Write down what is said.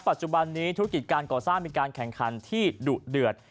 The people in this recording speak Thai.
ปัจจุบันนี้ธุรกิจการก่อสร้างมีการแข่งขันที่ดุเดือด